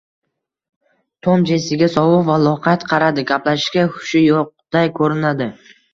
Tom Jessiga sovuq va loqayd qaradi, gaplashishga hushi yo`qday ko`rinadi